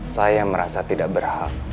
saya merasa tidak berhak